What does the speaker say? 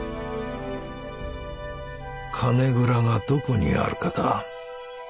金蔵がどこにあるかだ。